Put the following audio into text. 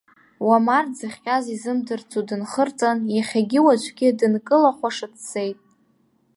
Уамар дзыхҟьаз изымдырӡо дынхырҵан, иахьагьы-уаҵәгьы дынкылахәаша дцеит.